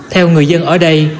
theo người dân ở đây